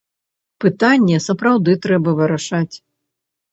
Пытанне сапраўды трэба вырашаць.